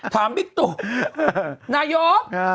ถามบี๊กหน่ายก